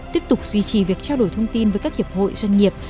tiếp tục duy trì việc trao đổi thông tin với các hiệp hội doanh nghiệp